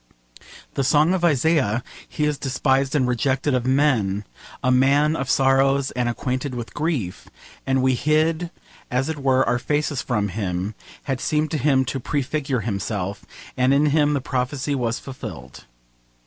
The song of Isaiah, 'He is despised and rejected of men, a man of sorrows and acquainted with grief: and we hid as it were our faces from him,' had seemed to him to prefigure himself, and in him the prophecy was fulfilled.